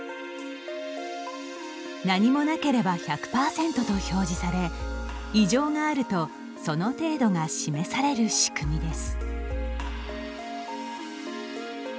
何もなければ１００％と表示され異常があるとその程度が示される仕組みです。